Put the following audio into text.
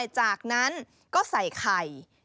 จากนั้นก็ใส่ไข่